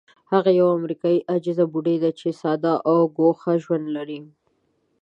هغه یوه امریکایي عاجزه بوډۍ ده چې ساده او ګوښه ژوند لري.